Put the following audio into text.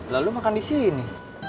lalu makan disini